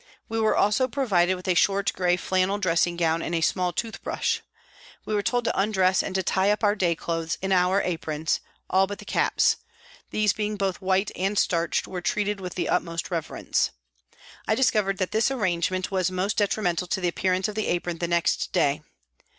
We were also provided with a short, grey flannel dressing gown and a small tooth brush. We were told to undress HOLLOWAY PRISON 85 and to tie up our day clothes in our aprons, all but the caps ; these being both white and starched were treated with the utmost reverence. I dis covered that this arrangement was most detri mental to the appearance of the apron the next day.